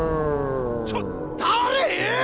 ちょっ誰！？